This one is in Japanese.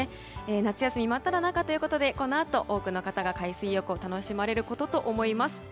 夏休み真っただ中ということでこのあと、多くの方が海水浴を楽しまれることと思います。